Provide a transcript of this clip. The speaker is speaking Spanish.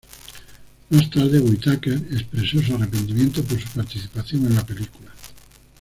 Más tarde Whitaker, expresó su arrepentimiento por su participación en la película.